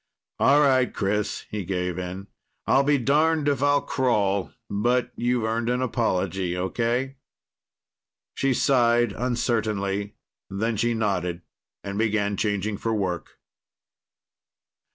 "All right, Chris," he gave in. "I'll be darned if I'll crawl, but you've earned an apology. Okay?" She sighed uncertainly. Then she nodded and began changing for work.